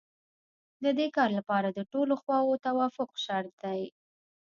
د دې کار لپاره د ټولو خواوو توافق شرط دی.